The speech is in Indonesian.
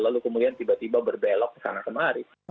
lalu kemudian tiba tiba berbelok ke sana kemari